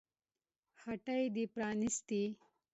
هټۍ دې پرانيستې